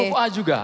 huruf a juga